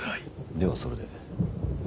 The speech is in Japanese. ではそれで。